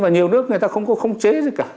và nhiều nước người ta không có khống chế gì cả